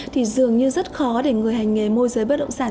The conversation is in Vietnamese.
thì dường như rất khó để người hành nghề môi giới bất động sản